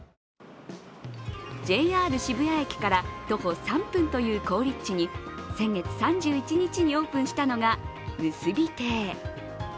ＪＲ渋谷駅から徒歩３分という好立地に先月３１日にオープンしたのが結亭。